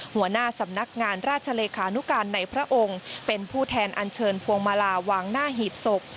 หัวหน้าสำนักงานราชเลขานุการในพระองค์เป็นผู้แทนอันเชิญพวงมาลาวางหน้าหีบศพ